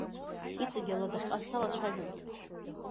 Иҵегьы аладахьҟа салацәажәоит.